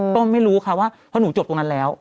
ก็ไม่รู้ค่ะว่าเพราะหนูจบตรงนั้นแล้ว